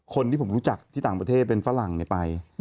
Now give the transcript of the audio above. คนที่ผมรู้จักที่ต่างประเทศเป็นฝรั่งไป